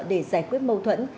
để giải quyết mâu thuẫn